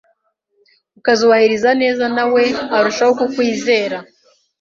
ukazubahiriza neza nawe arushaho kukwizera.